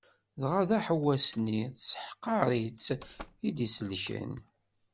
Dɣa d aḥewwas- nni tesseḥqer i tt-id-isellken.